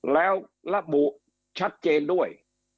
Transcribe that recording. แล้วระบุชัดเจนด้วย